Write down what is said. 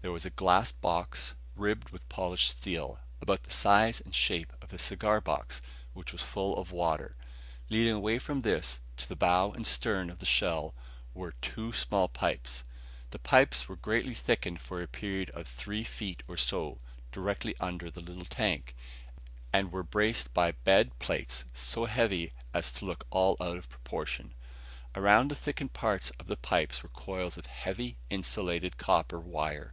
There was a glass box, ribbed with polished steel, about the size and shape of a cigar box, which was full of water. Leading away from this, to the bow and stern of the shell, were two small pipes. The pipes were greatly thickened for a period of three feet or so, directly under the little tank, and were braced by bed plates so heavy as to look all out of proportion. Around the thickened parts of the pipes were coils of heavy, insulated copper wire.